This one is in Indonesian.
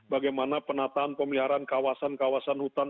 bagaimana penataan pemeliharaan kawasan kawasan hutan